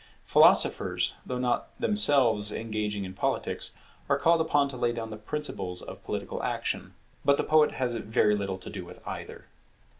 Philosophers, though not themselves engaging in politics, are called upon to lay down the principles of political action; but the poet has very little to do with either.